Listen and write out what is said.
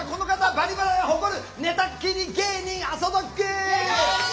「バリバラ」が誇る寝たきり芸人あそどっぐ！